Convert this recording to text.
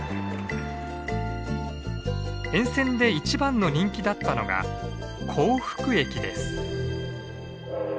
沿線で一番の人気だったのが幸福駅です。